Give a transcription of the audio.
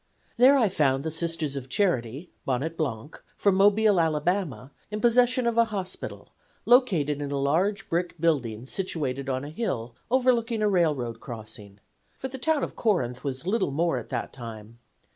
There I found the Sisters of Charity (bonnet blanc), from Mobile, Ala., in possession of an hospital, located in a large brick building situated on a hill overlooking a railroad crossing for the town of Corinth was little more at that time.